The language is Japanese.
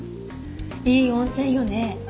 いい温泉よね。